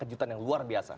kejutan yang luar biasa